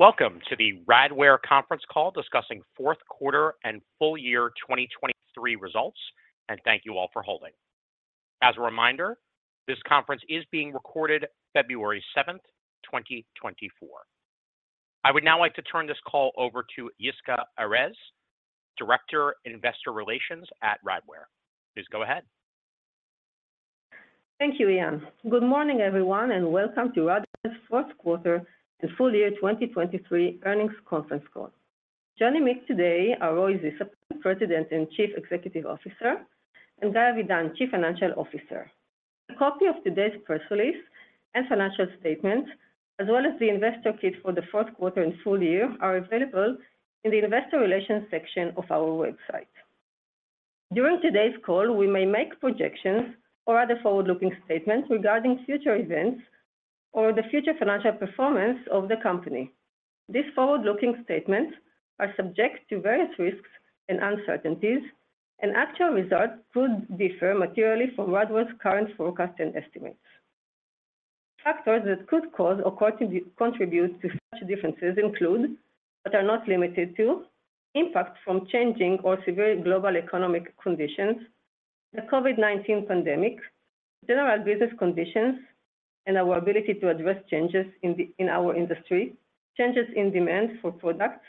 Welcome to the Radware conference call discussing fourth quarter and full year 2023 results, and thank you all for holding. As a reminder, this conference is being recorded February seventh, 2024. I would now like to turn this call over to Yisca Erez, Director, Investor Relations at Radware. Please go ahead. Thank you, Ian. Good morning, everyone, and welcome to Radware's fourth quarter and full year 2023 earnings conference call. Joining me today are Roy Zisapel, President and Chief Executive Officer, and Guy Avidan, Chief Financial Officer. A copy of today's press release and financial statement, as well as the investor kit for the fourth quarter and full year, are available in the Investor Relations section of our website. During today's call, we may make projections or other forward-looking statements regarding future events or the future financial performance of the company. These forward-looking statements are subject to various risks and uncertainties, and actual results could differ materially from Radware's current forecast and estimates. Factors that could cause or contribute to such differences include, but are not limited to: impact from changing or severe global economic conditions, the COVID-19 pandemic, general business conditions, and our ability to address changes in the, in our industry, changes in demand for products,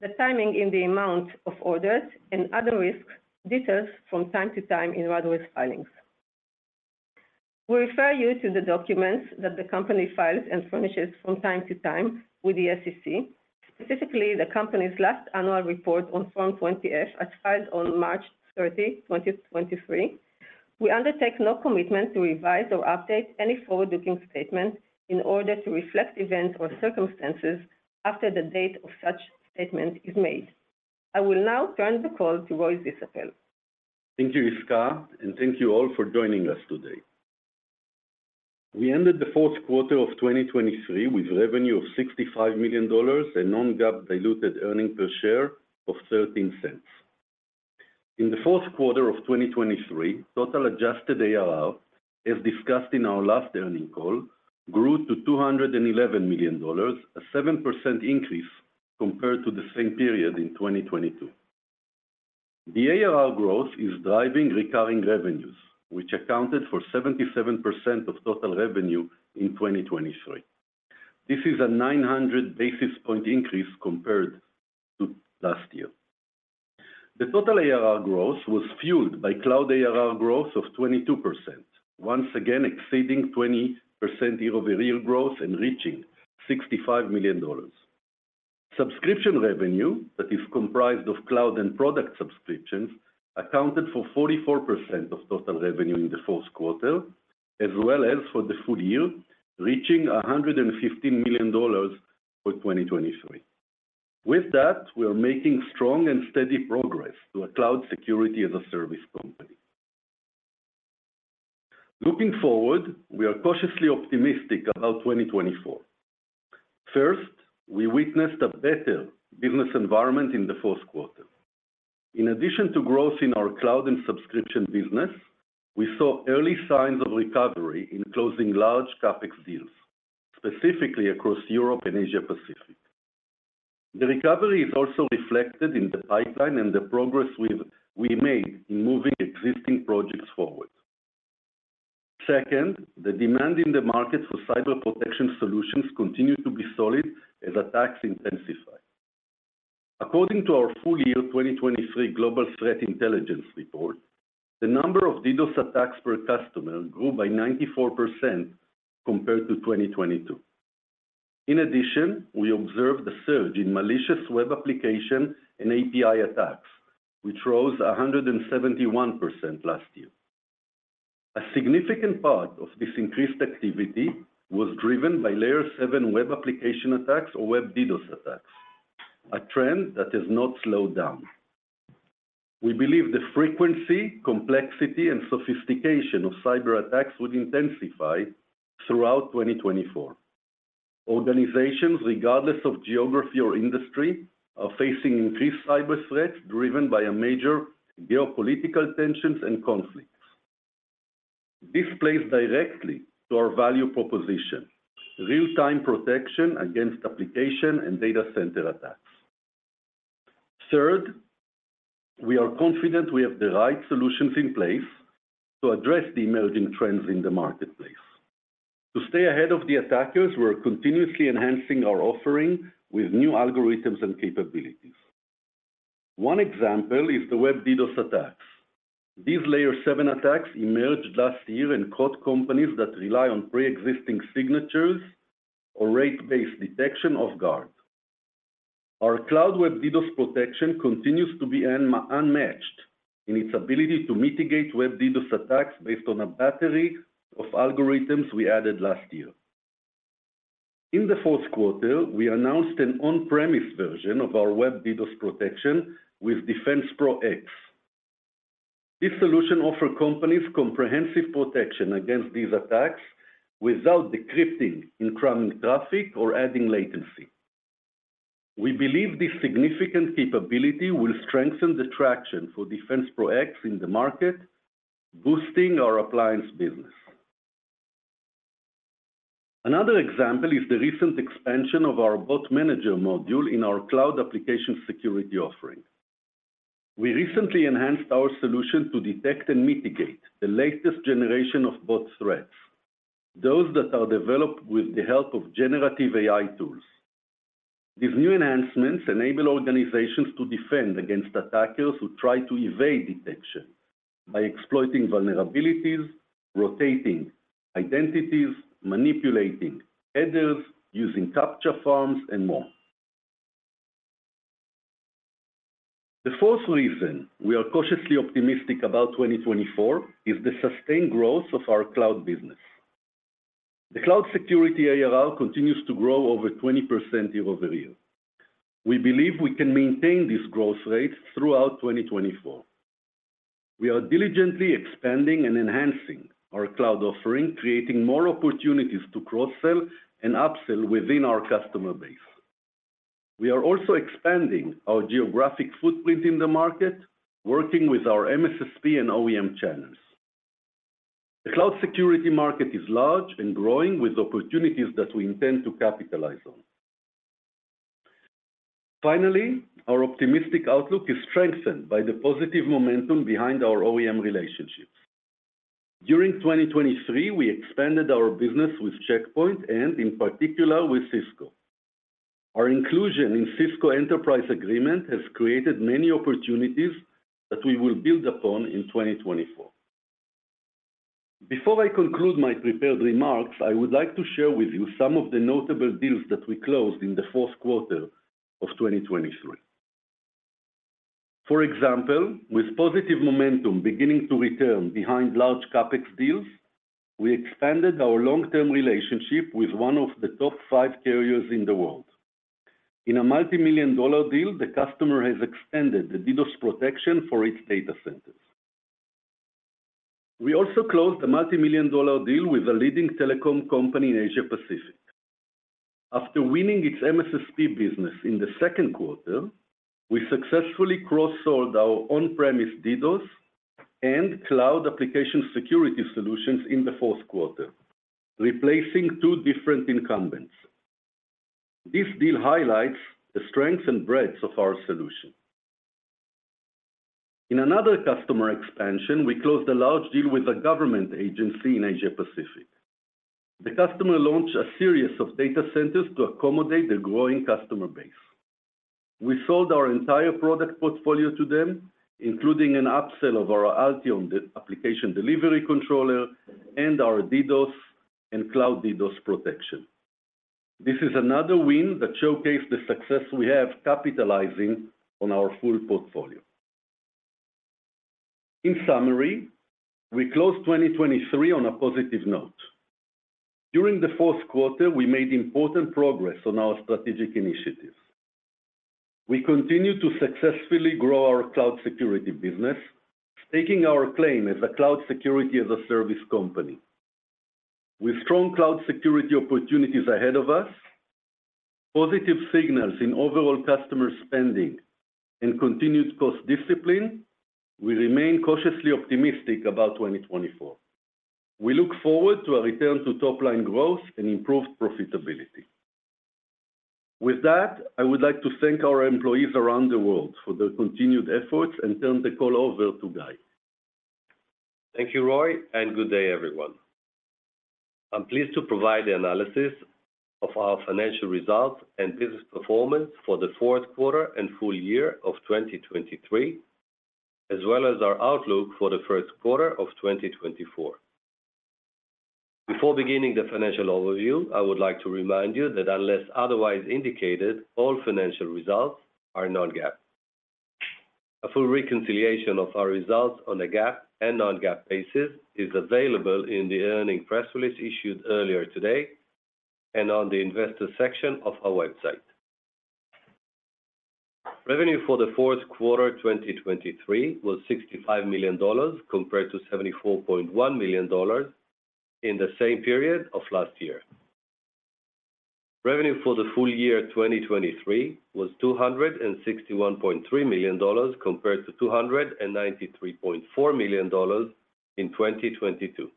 the timing and the amount of orders, and other risks detailed from time to time in Radware's filings. We refer you to the documents that the company files and furnishes from time to time with the SEC, specifically the company's last annual report on Form 20-F, as filed on March 30, 2023. We undertake no commitment to revise or update any forward-looking statements in order to reflect events or circumstances after the date of such statement is made. I will now turn the call to Roy Zisapel. Thank you, Yisca, and thank you all for joining us today. We ended the fourth quarter of 2023 with revenue of $65 million and non-GAAP diluted earnings per share of $0.13. In the fourth quarter of 2023, total adjusted ARR, as discussed in our last earning call, grew to $211 million, a 7% increase compared to the same period in 2022. The ARR growth is driving recurring revenues, which accounted for 77% of total revenue in 2023. This is a nine hundred basis point increase compared to last year. The total ARR growth was fueled by cloud ARR growth of 22%, once again exceeding 20% year-over-year growth and reaching $65 million. Subscription revenue, that is comprised of cloud and product subscriptions, accounted for 44% of total revenue in the fourth quarter, as well as for the full year, reaching $115 million for 2023. With that, we are making strong and steady progress to a cloud security as a service company. Looking forward, we are cautiously optimistic about 2024. First, we witnessed a better business environment in the fourth quarter. In addition to growth in our cloud and subscription business, we saw early signs of recovery in closing large CapEx deals, specifically across Europe and Asia-Pacific. The recovery is also reflected in the pipeline and the progress we've made in moving existing projects forward. Second, the demand in the market for cyber protection solutions continued to be solid as attacks intensify. According to our full year 2023 Global Threat Intelligence Report, the number of DDoS attacks per customer grew by 94% compared to 2022. In addition, we observed a surge in malicious web application and API attacks, which rose 171% last year. A significant part of this increased activity was driven by Layer 7 web application attacks or web DDoS attacks, a trend that has not slowed down. We believe the frequency, complexity, and sophistication of cyberattacks would intensify throughout 2024. Organizations, regardless of geography or industry, are facing increased cyber threats, driven by a major geopolitical tensions and conflicts. This plays directly to our value proposition, real-time protection against application and data center attacks. Third, we are confident we have the right solutions in place to address the emerging trends in the marketplace. To stay ahead of the attackers, we're continuously enhancing our offering with new algorithms and capabilities. One example is the Web DDoS attacks. These Layer 7 attacks emerged last year and caught companies that rely on pre-existing signatures or rate-based detection off guard. Our cloud Web DDoS protection continues to be unmatched in its ability to mitigate Web DDoS attacks based on a battery of algorithms we added last year. In the fourth quarter, we announced an on-premises version of our Web DDoS protection with DefensePro X. This solution offers companies comprehensive protection against these attacks without decrypting incoming traffic or adding latency. We believe this significant capability will strengthen the traction for DefensePro X in the market, boosting our appliance business. Another example is the recent expansion of our Bot Manager module in our cloud application security offering. We recently enhanced our solution to detect and mitigate the latest generation of bot threats, those that are developed with the help of generative AI tools. These new enhancements enable organizations to defend against attackers who try to evade detection by exploiting vulnerabilities, rotating identities, manipulating headers, using CAPTCHA farms, and more. The fourth reason we are cautiously optimistic about 2024 is the sustained growth of our cloud business. The cloud security ARR continues to grow over 20% year-over-year. We believe we can maintain this growth rate throughout 2024. We are diligently expanding and enhancing our cloud offering, creating more opportunities to cross-sell and upsell within our customer base. We are also expanding our geographic footprint in the market, working with our MSSP and OEM channels. The cloud security market is large and growing, with opportunities that we intend to capitalize on. Finally, our optimistic outlook is strengthened by the positive momentum behind our OEM relationships. During 2023, we expanded our business with Check Point and, in particular, with Cisco. Our inclusion in Cisco Enterprise Agreement has created many opportunities that we will build upon in 2024. Before I conclude my prepared remarks, I would like to share with you some of the notable deals that we closed in the fourth quarter of 2023. For example, with positive momentum beginning to return behind large CapEx deals, we expanded our long-term relationship with one of the top 5 carriers in the world. In a multi-million dollar deal, the customer has extended the DDoS protection for its data centers. We also closed a multi-million dollar deal with a leading telecom company in Asia-Pacific. After winning its MSSP business in the second quarter, we successfully cross-sold our on-premise DDoS and cloud application security solutions in the fourth quarter, replacing two different incumbents. This deal highlights the strength and breadth of our solution. In another customer expansion, we closed a large deal with a government agency in Asia-Pacific. The customer launched a series of data centers to accommodate their growing customer base. We sold our entire product portfolio to them, including an upsell of our Alteon application delivery controller and our DDoS and cloud DDoS protection. This is another win that showcased the success we have capitalizing on our full portfolio. In summary, we closed 2023 on a positive note. During the fourth quarter, we made important progress on our strategic initiatives. We continue to successfully grow our cloud security business, staking our claim as a cloud security as a service company. With strong cloud security opportunities ahead of us, positive signals in overall customer spending and continued cost discipline, we remain cautiously optimistic about 2024. We look forward to a return to top-line growth and improved profitability. With that, I would like to thank our employees around the world for their continued efforts and turn the call over to Guy. Thank you, Roy, and good day, everyone. I'm pleased to provide the analysis of our financial results and business performance for the fourth quarter and full year of 2023, as well as our outlook for the first quarter of 2024. Before beginning the financial overview, I would like to remind you that unless otherwise indicated, all financial results are non-GAAP. A full reconciliation of our results on a GAAP and non-GAAP basis is available in the earnings press release issued earlier today and on the investor section of our website. Revenue for the fourth quarter, 2023, was $65 million, compared to $74.1 million in the same period of last year. Revenue for the full year, 2023, was $261.3 million, compared to $293.4 million in 2022.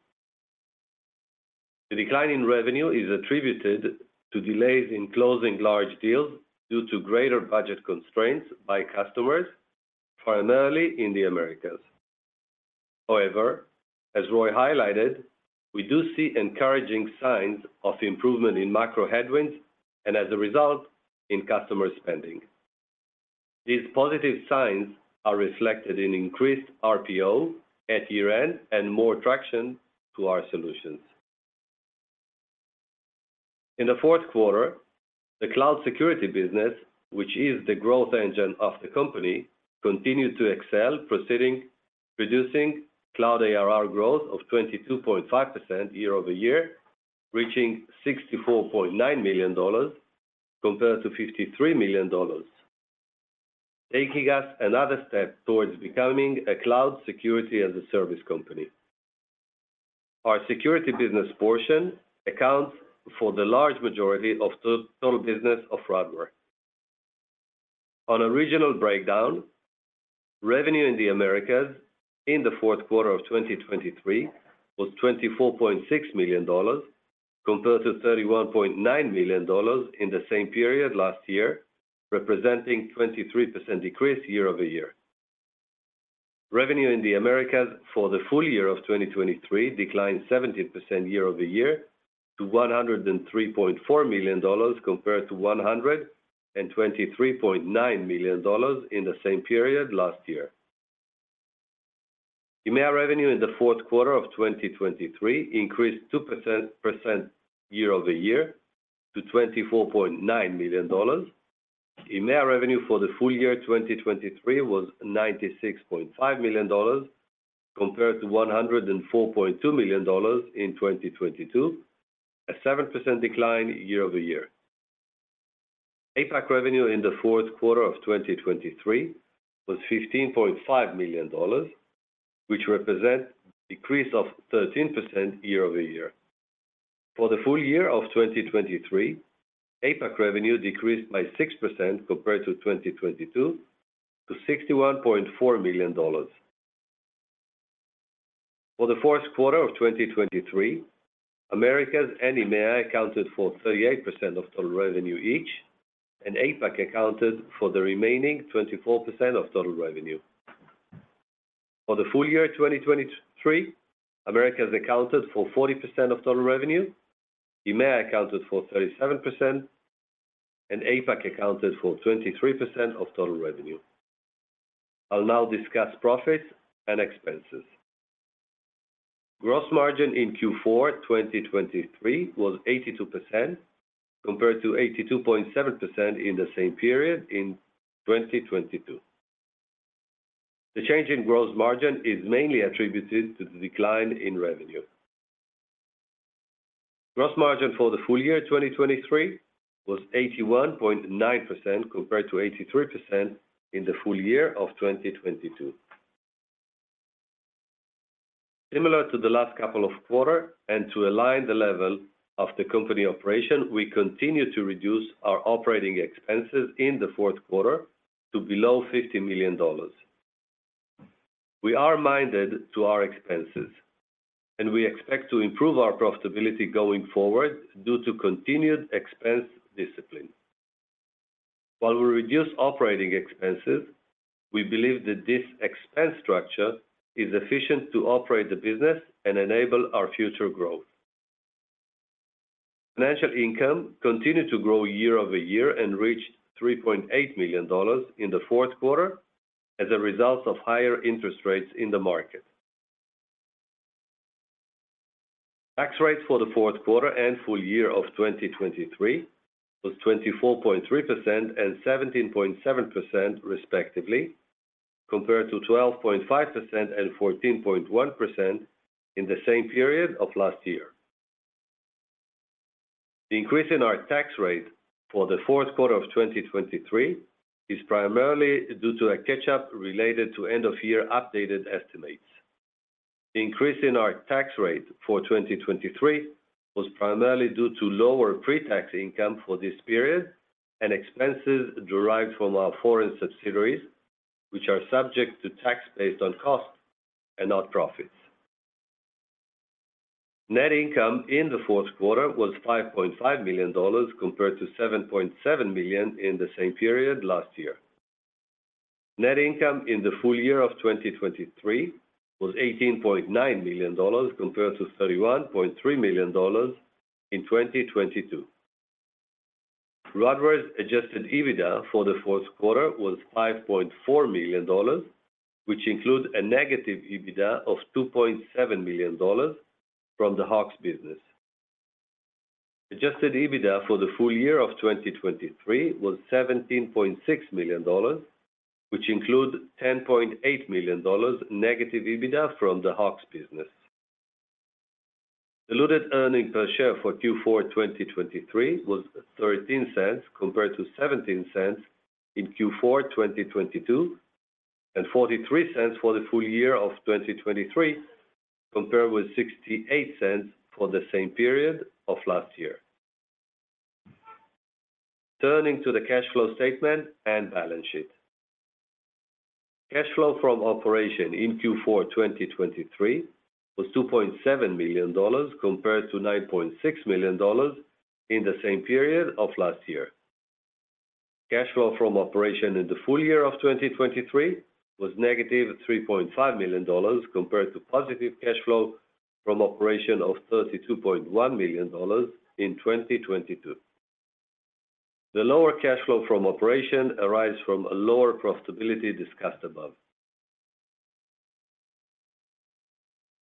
The decline in revenue is attributed to delays in closing large deals due to greater budget constraints by customers, primarily in the Americas. However, as Roy highlighted, we do see encouraging signs of improvement in macro headwinds and, as a result, in customer spending. These positive signs are reflected in increased RPO at year-end and more traction to our solutions. In the fourth quarter, the cloud security business, which is the growth engine of the company, continued to excel, producing cloud ARR growth of 22.5% year-over-year, reaching $64.9 million compared to $53 million, taking us another step towards becoming a cloud security as a service company. Our security business portion accounts for the large majority of total business of Radware. On a regional breakdown, revenue in the Americas in the fourth quarter of 2023 was $24.6 million, compared to $31.9 million in the same period last year, representing a 23% decrease year-over-year. Revenue in the Americas for the full year of 2023 declined 17% year-over-year to $103.4 million, compared to $123.9 million in the same period last year. EMEA revenue in the fourth quarter of 2023 increased 2% year-over-year to $24.9 million. EMEA revenue for the full year 2023 was $96.5 million, compared to $104.2 million in 2022, a 7% decline year-over-year. APAC revenue in the fourth quarter of 2023 was $15.5 million, which represent decrease of 13% year-over-year. For the full year of 2023, APAC revenue decreased by 6% compared to 2022, to $61.4 million. For the fourth quarter of 2023, Americas and EMEA accounted for 38% of total revenue each, and APAC accounted for the remaining 24% of total revenue. For the full year 2023, Americas accounted for 40% of total revenue, EMEA accounted for 37%, and APAC accounted for 23% of total revenue. I'll now discuss profits and expenses. Gross margin in Q4 2023 was 82%, compared to 82.7% in the same period in 2022. The change in gross margin is mainly attributed to the decline in revenue. Gross margin for the full year 2023 was 81.9%, compared to 83% in the full year of 2022. Similar to the last couple of quarters, and to align the level of the company operation, we continue to reduce our operating expenses in the fourth quarter to below $50 million. We are mindful of our expenses, and we expect to improve our profitability going forward due to continued expense discipline. While we reduce operating expenses, we believe that this expense structure is efficient to operate the business and enable our future growth. Financial income continued to grow year-over-year and reached $3.8 million in the fourth quarter as a result of higher interest rates in the market. Tax rates for the fourth quarter and full year of 2023 were 24.3% and 17.7%, respectively, compared to 12.5% and 14.1% in the same period of last year. The increase in our tax rate for the fourth quarter of 2023 is primarily due to a catch-up related to end-of-year updated estimates. The increase in our tax rate for 2023 was primarily due to lower pre-tax income for this period and expenses derived from our foreign subsidiaries, which are subject to tax based on costs and not profits. Net income in the fourth quarter was $5.5 million, compared to $7.7 million in the same period last year. Net income in the full year of 2023 was $18.9 million, compared to $31.3 million in 2022. Radware's adjusted EBITDA for the fourth quarter was $5.4 million, which includes a negative EBITDA of $2.7 million from the Skyhawk business. Adjusted EBITDA for the full year of 2023 was $17.6 million, which include $10.8 million negative EBITDA from the Skyhawk business. Diluted earnings per share for Q4 2023 was $0.13, compared to $0.17 in Q4 2022, and $0.43 for the full year of 2023, compared with $0.68 for the same period of last year. Turning to the cash flow statement and balance sheet. Cash flow from operation in Q4 2023 was $2.7 million, compared to $9.6 million in the same period of last year. Cash flow from operation in the full year of 2023 was -$3.5 million, compared to positive cash flow from operation of $32.1 million in 2022. The lower cash flow from operation arrives from a lower profitability discussed above.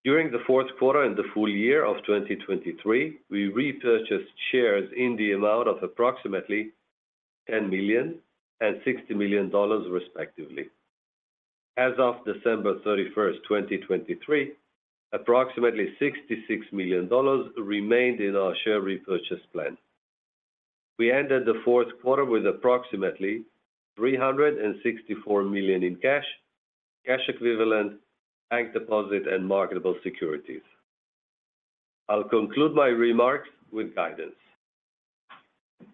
During the fourth quarter and the full year of 2023, we repurchased shares in the amount of approximately $10 million and $60 million, respectively. As of December 31, 2023, approximately $66 million remained in our share repurchase plan. We ended the fourth quarter with approximately $364 million in cash, cash equivalent, bank deposit, and marketable securities.... I'll conclude my remarks with guidance.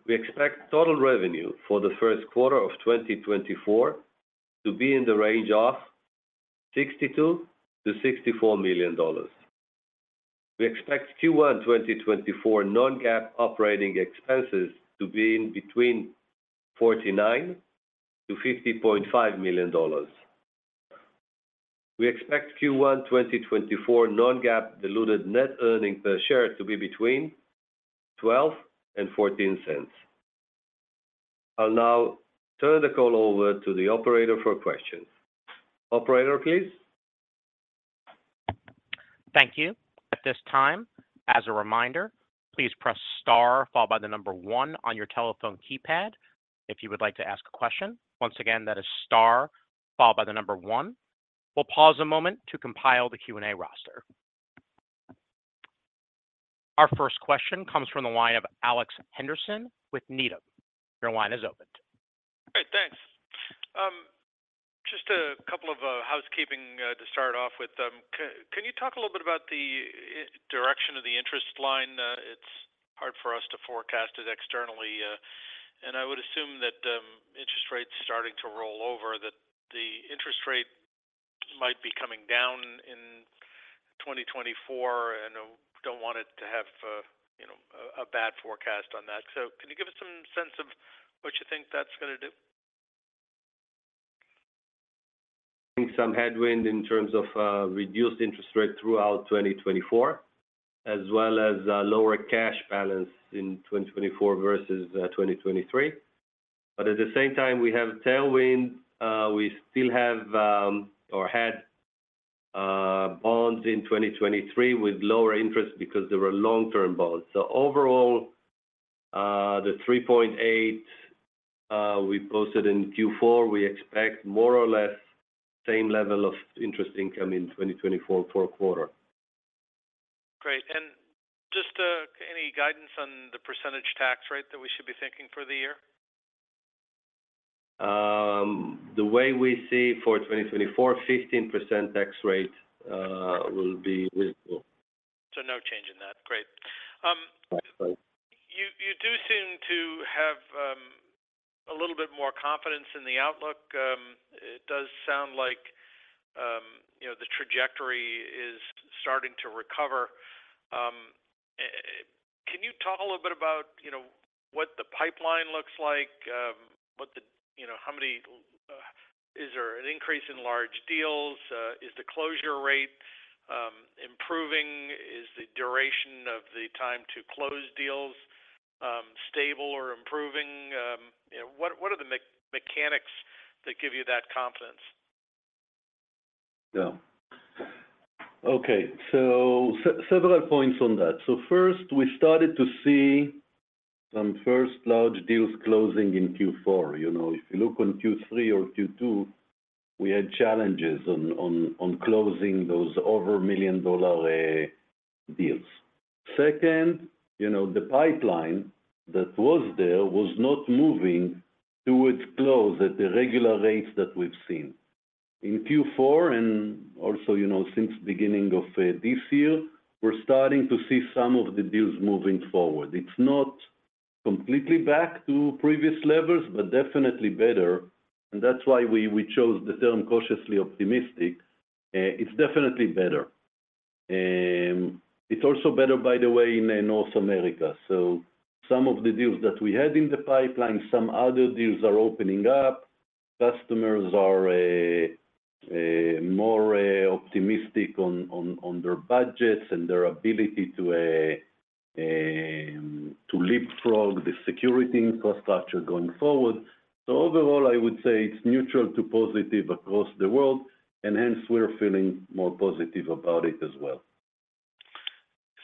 We expect total revenue for the first quarter of 2024 to be in the range of $62 million-$64 million. We expect Q1 2024 non-GAAP operating expenses to be in between $49 million-$50.5 million. We expect Q1 2024 non-GAAP diluted net earnings per share to be between $0.12 and $0.14. I'll now turn the call over to the operator for questions. Operator, please? Thank you. At this time, as a reminder, please press star followed by the number 1 on your telephone keypad if you would like to ask a question. Once again, that is star followed by the number 1. We'll pause a moment to compile the Q&A roster. Our first question comes from the line of Alex Henderson with Needham. Your line is open. Great, thanks. Just a couple of housekeeping to start off with. Can you talk a little bit about the direction of the interest line? It's hard for us to forecast it externally, and I would assume that interest rates starting to roll over, that the interest rate might be coming down in 2024, and don't want it to have, you know, a bad forecast on that. So can you give us some sense of what you think that's gonna do? Some headwind in terms of, reduced interest rate throughout 2024, as well as, lower cash balance in 2024 versus, 2023. But at the same time, we have tailwind. We still have, or had, bonds in 2023 with lower interest because they were long-term bonds. So overall, the $3.8 we posted in Q4, we expect more or less same level of interest income in 2024, per quarter. Great. And just, any guidance on the percentage tax rate that we should be thinking for the year? The way we see for 2024, 15% tax rate will be visible. So no change in that. Great. That's right. You, you do seem to have a little bit more confidence in the outlook. It does sound like, you know, the trajectory is starting to recover. Can you talk a little bit about, you know, what the pipeline looks like? You know, how many... Is there an increase in large deals? Is the closure rate improving? Is the duration of the time to close deals stable or improving? You know, what are the mechanics that give you that confidence? Yeah. Okay, so several points on that. So first, we started to see some first large deals closing in Q4. You know, if you look on Q3 or Q2, we had challenges on closing those over $1 million deals. Second, you know, the pipeline that was there was not moving to its close at the regular rates that we've seen. In Q4, and also, you know, since beginning of this year, we're starting to see some of the deals moving forward. It's not completely back to previous levels, but definitely better, and that's why we chose the term cautiously optimistic. It's definitely better. It's also better, by the way, in North America. So some of the deals that we had in the pipeline, some other deals are opening up. Customers are more optimistic on their budgets and their ability to leapfrog the security infrastructure going forward. So overall, I would say it's neutral to positive across the world, and hence, we're feeling more positive about it as well.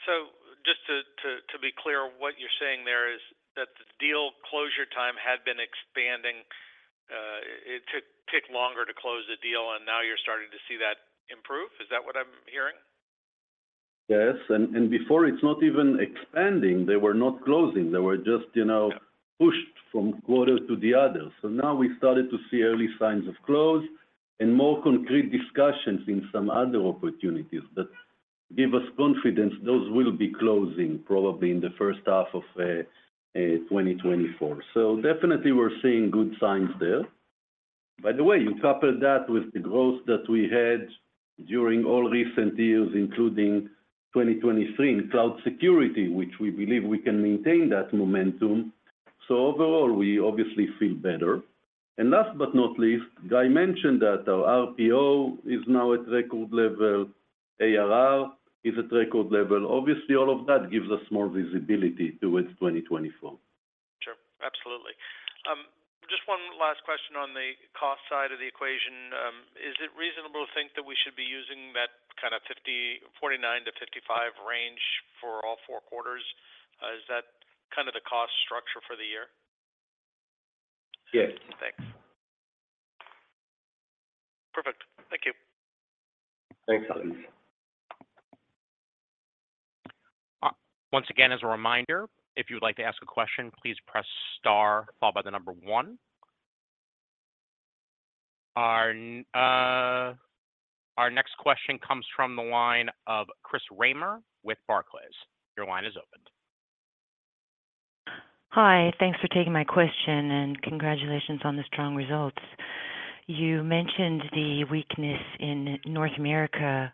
So just to be clear, what you're saying there is that the deal closure time had been expanding. It took longer to close a deal, and now you're starting to see that improve. Is that what I'm hearing? Yes, and before, it's not even expanding. They were not closing. They were just, you know, pushed from quarter to the other. So now we started to see early signs of close and more concrete discussions in some other opportunities that give us confidence those will be closing probably in the first half of 2024. So definitely we're seeing good signs there. By the way, you couple that with the growth that we had during all recent years, including 2023, in cloud security, which we believe we can maintain that momentum. So overall, we obviously feel better. And last but not least, Guy mentioned that our RPO is now at record level, ARR is at record level. Obviously, all of that gives us more visibility towards 2024. Sure, absolutely. Just one last question on the cost side of the equation. Is it reasonable to think that we should be using that kind of 49-55 range for all four quarters? Is that kind of the cost structure for the year? Yes. Thanks. Perfect. Thank you. Thanks, Alex. Once again, as a reminder, if you would like to ask a question, please press star followed by the number one. Our next question comes from the line of Chris Reimer with Barclays. Your line is open. Hi, thanks for taking my question, and congratulations on the strong results. You mentioned the weakness in North America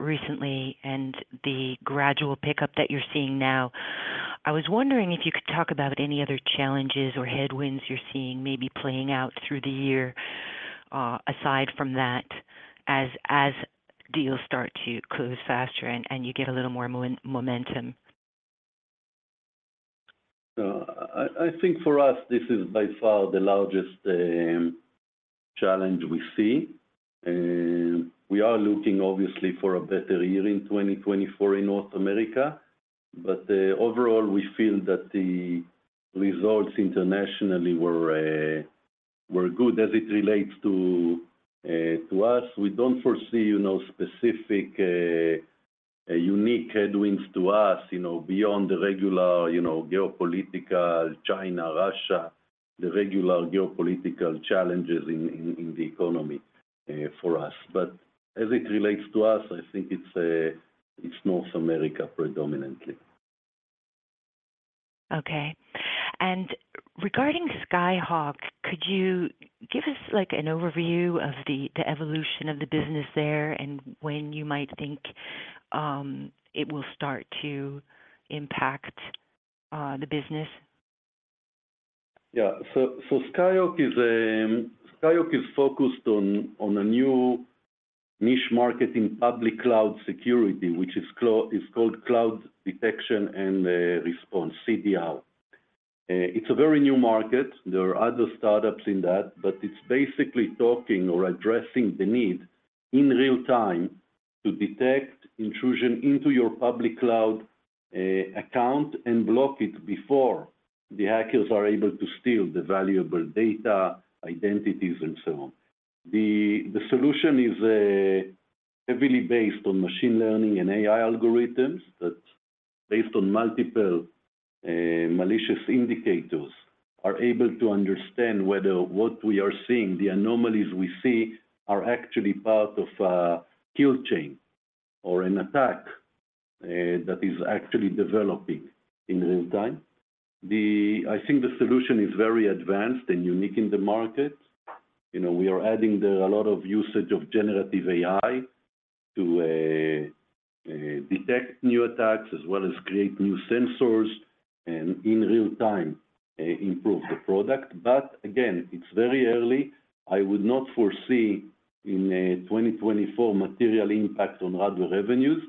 recently and the gradual pickup that you're seeing now. I was wondering if you could talk about any other challenges or headwinds you're seeing maybe playing out through the year, aside from that, as deals start to close faster and you get a little more momentum? I think for us, this is by far the largest challenge we see. And we are looking obviously for a better year in 2024 in North America. But overall, we feel that the results internationally were good. As it relates to us, we don't foresee, you know, specific unique headwinds to us, you know, beyond the regular, you know, geopolitical, China, Russia, the regular geopolitical challenges in the economy for us. But as it relates to us, I think it's North America predominantly. Okay. Regarding Skyhawk, could you give us, like, an overview of the evolution of the business there and when you might think it will start to impact the business? Yeah. So, Skyhawk is focused on a new niche market in public cloud security, which is called Cloud Detection and Response, CDR. It's a very new market. There are other startups in that, but it's basically talking or addressing the need in real time to detect intrusion into your public cloud account and block it before the hackers are able to steal the valuable data, identities, and so on. The solution is heavily based on machine learning and AI algorithms that, based on multiple malicious indicators, are able to understand whether what we are seeing, the anomalies we see, are actually part of a kill chain or an attack that is actually developing in real time. I think the solution is very advanced and unique in the market. You know, we are adding a lot of usage of generative AI to detect new attacks, as well as create new sensors, and in real time improve the product. But again, it's very early. I would not foresee in 2024 material impact on Radware revenues.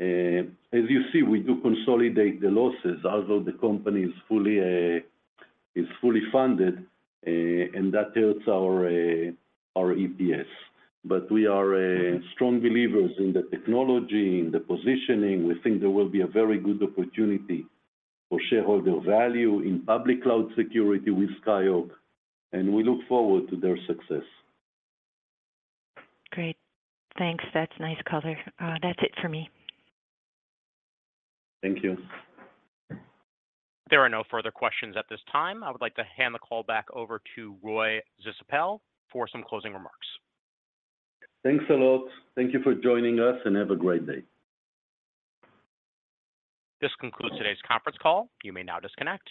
As you see, we do consolidate the losses, although the company is fully funded, and that hurts our EPS. But we are strong believers in the technology, in the positioning. We think there will be a very good opportunity for shareholder value in public cloud security with Skyhawk, and we look forward to their success. Great. Thanks. That's nice color. That's it for me. Thank you. There are no further questions at this time. I would like to hand the call back over to Roy Zisapel for some closing remarks. Thanks a lot. Thank you for joining us, and have a great day. This concludes today's conference call. You may now disconnect.